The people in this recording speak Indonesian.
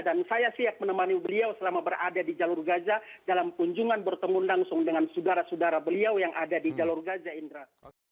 dan saya siap menemani beliau selama berada di jalur gaza dalam kunjungan bertemu langsung dengan saudara saudara beliau yang ada di jalur gaza indra